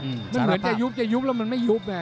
มันเหมือนจะยุบจะยุบแล้วมันไม่ยุบ